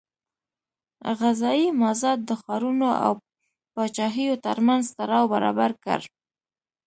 غذایي مازاد د ښارونو او پاچاهیو ترمنځ تړاو برابر کړ.